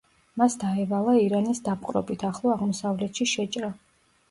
მას დაევალა ირანის დაპყრობით ახლო აღმოსავლეთში შეჭრა.